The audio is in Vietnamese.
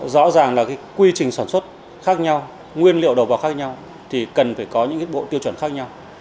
rõ ràng là cái quy trình sản xuất khác nhau nguyên liệu đầu vào khác nhau thì cần phải có những bộ tiêu chuẩn khác nhau